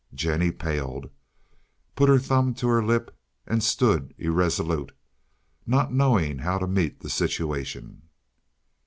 Jennie paled, put her thumb to her lip and stood irresolute, not knowing how to meet the situation.